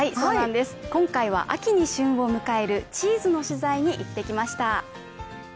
今回は秋に旬を迎えるチーズの取材に行ってきました。